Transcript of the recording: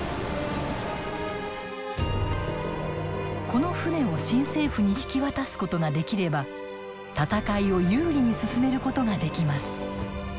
この船を新政府に引き渡すことができれば戦いを有利に進めることができます。